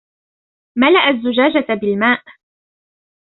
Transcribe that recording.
ملأ الزجاجة بالماء.